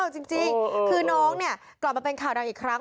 จริงคือน้องเนี่ยกลับมาเป็นข่าวดังอีกครั้ง